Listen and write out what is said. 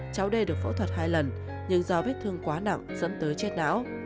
cháu đê được phẫu thuật hai lần nhưng do vết thương quá nặng dẫn tới chết não